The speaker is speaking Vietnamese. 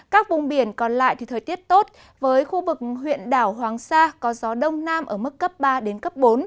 các vùng biển còn lại thì thời tiết tốt với khu vực huyện đảo hoàng sa có gió đông nam ở mức cấp ba đến cấp bốn